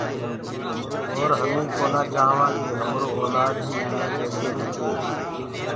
اَور همين ڪونآ چآهوآن ڪي همرو اولآد بيٚ اُنآن جيسيئيٚ لدي۔